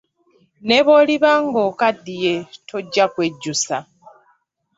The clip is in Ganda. Ne bw’oliba ng’okaddiye tojja kwejjusa.